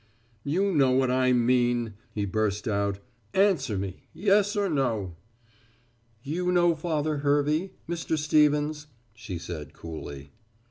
"You know what I mean," he burst out. "Answer me yes or no." "You know Father Hervey, Mr. Stevens," she said coolly.